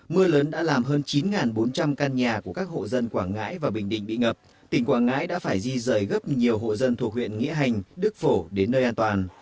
mưa lớn đã làm hơn chín bốn trăm linh căn nhà của các hộ dân quảng ngãi và bình định bị ngập tỉnh quảng ngãi đã phải di rời gấp nhiều hộ dân thuộc huyện nghĩa hành đức phổ đến nơi an toàn